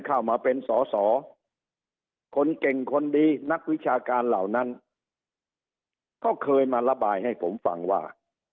คนเก่งคนดีนักวิชาการเหล่านั้นเขาเคยมาระบายให้ผมฟังว่า